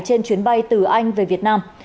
trên chuyến bay từ anh về việt nam